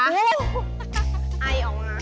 ไอออกมา